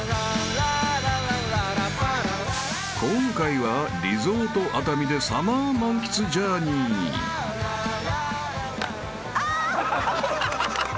［今回はリゾート熱海でサマー満喫ジャーニー］あ！